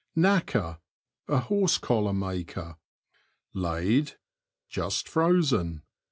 Knacker. — A horse collar maker. Laid. — Just frozen.